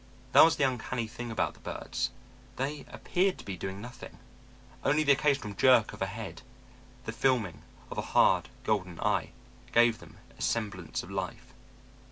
That was the uncanny thing about the birds: they appeared to be doing nothing. Only the occasional jerk of a head, the filming of a hard golden eye, gave them a semblance of life.